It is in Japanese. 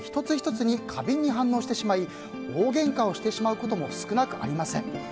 １つ１つに過敏に反応してしまい大げんかをしてしまうことも少なくありません。